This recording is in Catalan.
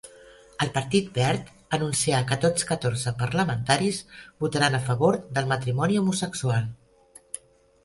El Partit Verd anuncià que tots catorze parlamentaris votaran a favor del matrimoni homosexual.